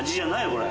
これ。